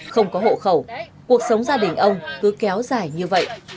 không có hộ khẩu cuộc sống gia đình ông cứ kéo dài như vậy